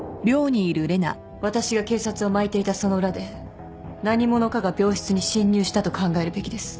私が警察をまいていたその裏で何者かが病室に侵入したと考えるべきです。